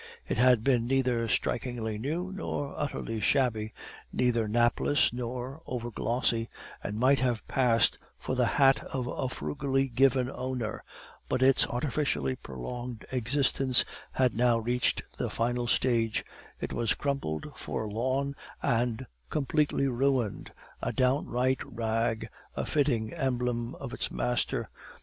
It had been neither strikingly new, nor utterly shabby, neither napless nor over glossy, and might have passed for the hat of a frugally given owner, but its artificially prolonged existence had now reached the final stage, it was crumpled, forlorn, and completely ruined, a downright rag, a fitting emblem of its master.